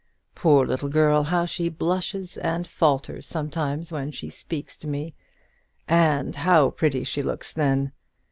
Poor little girl! how she blushes and falters sometimes when she speaks to me, and how pretty she looks then!